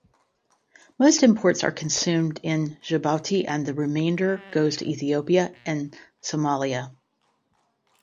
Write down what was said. Most imports are consumed in Djibouti and the remainder goes to Ethiopia and Somalia.